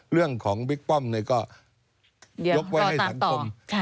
เรื่องของบิ๊กป้อมก็ยกไว้ให้เห็นติดตามต่อ